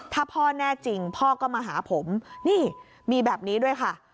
ถ้าพ่อแน่จริงพ่อก็มาหาผมนี่มีแบบนี้ด้วยค่ะ